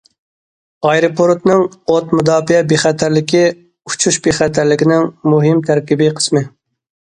ئايروپورتنىڭ ئوت مۇداپىئە بىخەتەرلىكى ئۇچۇش بىخەتەرلىكىنىڭ مۇھىم تەركىبىي قىسمى.